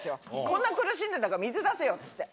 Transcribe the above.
こんな苦しんでんだから水出せよっつって。